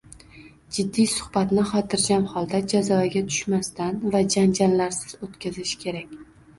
Jiddiy suhbatni xotirjam holda, jazavaga tushmasdan va janjallarsiz o‘tkazish kerak.